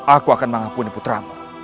aku akan mengampuni putramu